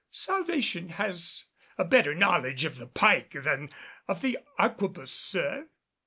Salvation has a better knowledge of the pike than of the arquebus, sir."